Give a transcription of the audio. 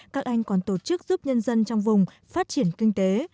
các anh còn tổ chức giúp nhân dân trong vùng phát triển kinh tế